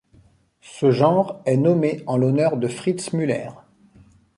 Ce genre est nommé en l'honneur de Fritz Müller.